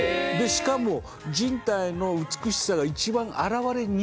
しかも人体の美しさが一番表れにくいポーズなんですよ。